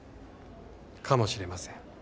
かもしれません。